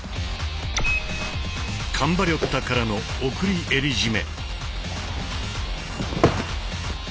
カンバリョッタからの送り襟絞め。